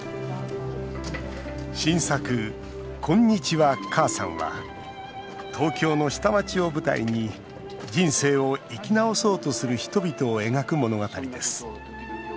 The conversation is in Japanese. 新作「こんにちは、母さん」は東京の下町を舞台に人生を生き直そうとする人々を描く物語です。